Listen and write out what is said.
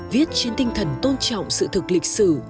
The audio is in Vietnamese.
viết trên tinh thần tôn trọng sự thực lịch sử